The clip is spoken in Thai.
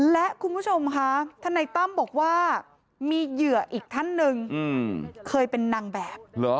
และคุณผู้ชมค่ะทนายตั้มบอกว่ามีเหยื่ออีกท่านหนึ่งเคยเป็นนางแบบ